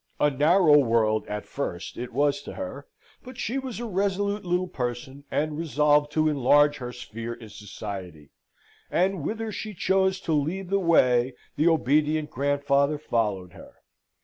A narrow world at first it was to her; but she was a resolute little person, and resolved to enlarge her sphere in society; and whither she chose to lead the way, the obedient grandfather followed her.